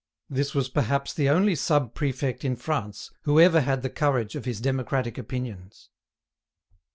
This was perhaps the only sub prefect in France who ever had the courage of his democratic opinions.